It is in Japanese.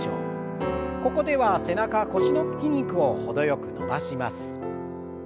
ここでは背中腰の筋肉を程よく伸ばします。